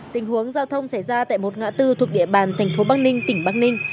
tình huống giao thông xảy ra tại một ngã tư thuộc địa bàn thành phố bắc ninh tỉnh bắc ninh